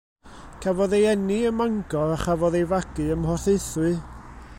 Cafodd ei eni ym Mangor a chafodd ei fagu ym Mhorthaethwy.